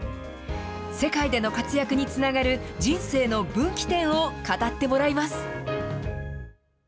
世界での活躍につながる人生の分岐点を語ってもらいます。